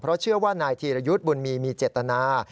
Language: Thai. เพราะเชื่อว่านายธีรยุทธ์บุญมีมีเจตนา